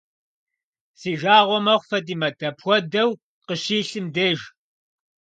Си жагъуэ мэхъу Фатӏимэт апхуэдэу къыщилъым деж.